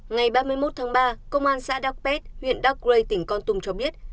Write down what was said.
ngày ba mươi một tháng ba công an xã đắc pét huyện đắc lây tỉnh con tum cho biết